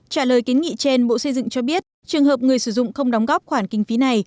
trả lời kiến nghị trên bộ xây dựng cho biết trường hợp người sử dụng không đóng góp khoản kinh phí này